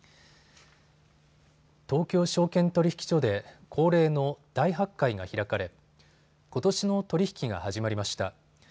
東京証券取引所で恒例の大発会が開かれことしの取り引きが始まりました。